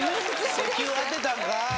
石油当てたんか？